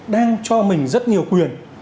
đang cho mình rất nhiều quyền